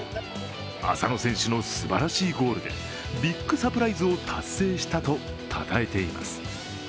浅野選手のすばらしいゴールでビッグサプライズを達成したとたたえています。